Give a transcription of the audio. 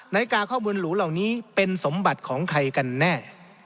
นาฬิกาข้อมูลหรูเหล่านี้เป็นสมบัติของใครกันแน่